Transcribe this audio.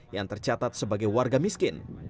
yang tercatat sebagai warga miskin